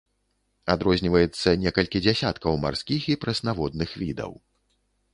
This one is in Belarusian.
Адрозніваецца некалькі дзясяткаў марскіх і прэснаводных відаў.